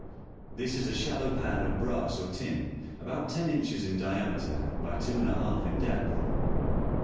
This is a shallow pan of brass or tin, about ten inches in diameter, by two and a half in depth.